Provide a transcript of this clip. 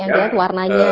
yang lihat warnanya